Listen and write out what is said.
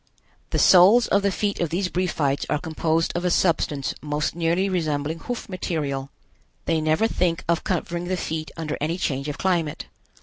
The soles of the feet of these Briefites are composed of a substance most nearly resembling hoof material. They never think of covering the feet under any change of climate.